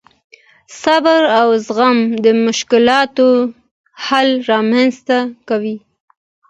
صبر او زغم د مشکلاتو حل رامنځته کوي.